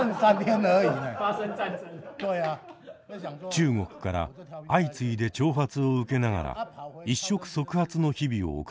中国から相次いで挑発を受けながら一触即発の日々を送っていました。